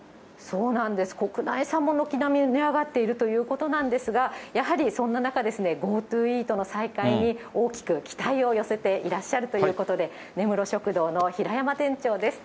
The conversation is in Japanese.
そうなんです、国内産も軒並み値上がっているということなんですが、やはりそんな中、ＧｏＴｏイートの再開に大きく期待を寄せていらっしゃるということで、根室食堂の平山店長です。